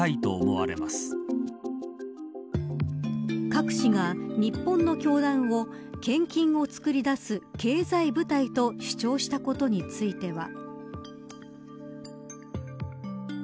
カク氏が日本の教団を献金を作り出す経済部隊と主張したことについては。